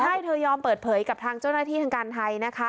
ใช่เธอยอมเปิดเผยกับทางเจ้าหน้าที่ทางการไทยนะคะ